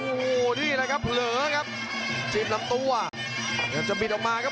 โอ้โหนี่แหละครับเผลอครับจีบลำตัวพยายามจะบิดออกมาครับ